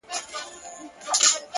هر څه چي راپېښ ســولـــــه؛